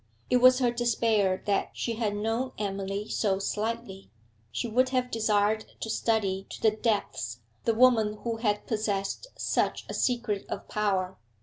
It was her despair that she had known Emily so slightly; she would have desired to study to the depths the woman who had possessed such a secret of power.